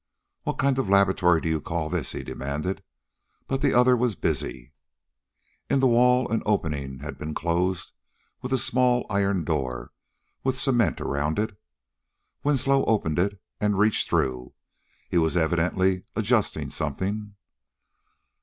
"What kind of a laboratory do you call this?" he demanded. But the other was busy. In the wall an opening had been closed with a small iron door, with cement around it. Winslow opened it and reached through. He was evidently adjusting something.